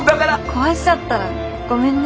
壊しちゃったらごめんね。